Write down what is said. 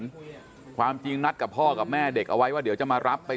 คุณกัลจอมพลังบอกจะมาให้ลบคลิปได้อย่างไร